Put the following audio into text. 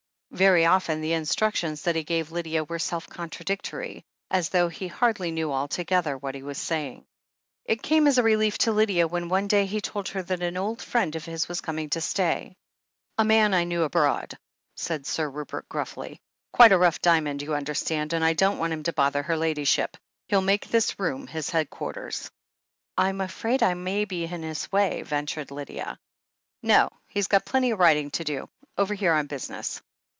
Very often the instructions that he gave Lydia were self contradictory, as though he hardly knew altogether what he was saying. it 294 THE HEEL OF ACHILLES It came as a relief to Lydia when one day he told her that an old friend of his was coming to stay. A man I knew abroad/' said Sir Rupert gruffly. Quite a rough diamond, you understand, and I don't want him to bother her Ladyship. He'll make this room his headquarters." "I'm afraid I may be in his way?" ventured Lydia. "No. He's got plenty of writing to do. Over here on business."